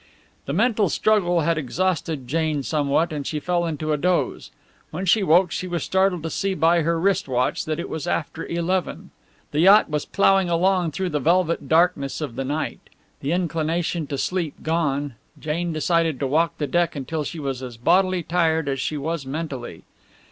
The mental struggle had exhausted Jane somewhat, and she fell into a doze. When she woke she was startled to see by her wrist watch that it was after eleven. The yacht was plowing along through the velvet blackness of the night. The inclination to sleep gone, Jane decided to walk the deck until she was as bodily tired as she was mentally.